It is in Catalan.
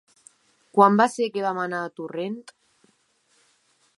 Quan va ser que vam anar a Torrent?